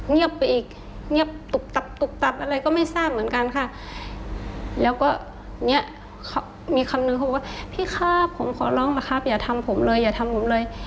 มีคำนึงเขาบอกว่าพี่ค่ะผมขอร้องนะครับอย่าทำผมเลยอย่าทำผมเลย